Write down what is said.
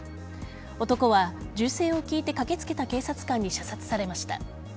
男は銃声を聞いて駆けつけた警察官に射殺されました。